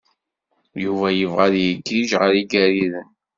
Yuba yebɣa ad igiǧǧ ɣer Igariden.